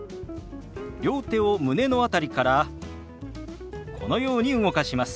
両手を胸の辺りからこのように動かします。